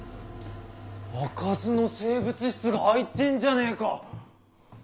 「あかずの生物室」が開いてんじゃねえか！